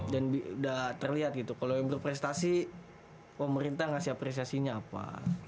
dan udah terlihat gitu kalau yang berprestasi pemerintah ngasih apresiasinya apa